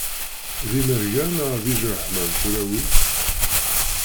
D imerga neɣ d iǧeḥmam tura wi?